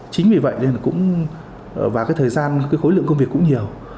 chính vì vậy thời gian khối lượng công việc cũng nhiều